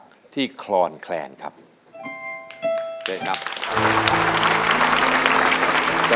สวัสดีครับสวัสดีครับคุณนา